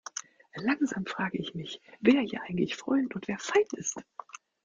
Langsam frage ich mich, wer hier eigentlich Freund und wer Feind ist.